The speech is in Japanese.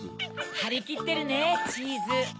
はりきってるねチーズ。